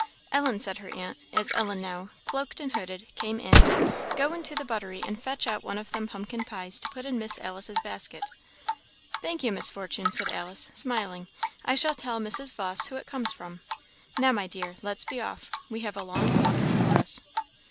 "Ellen," said her aunt, as Ellen now, cloaked and hooded, came in, "go into the buttery and fetch out one of them pumpkin pies to put in Miss Alice's basket." "Thank you, Miss Fortune," said Alice, smiling; "I shall tell Mrs. Vawse who it comes from. Now, my dear, let's be off; we have a long walk before us."